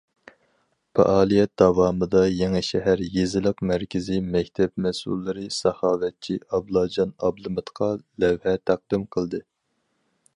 پائالىيەت داۋامىدا، يېڭىشەھەر يېزىلىق مەركىزىي مەكتەپ مەسئۇللىرى ساخاۋەتچى ئابلاجان ئابلىمىتقا لەۋھە تەقدىم قىلدى.